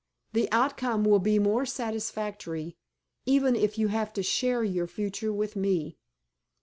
The outcome will be more satisfactory, even if you have to share your future with me."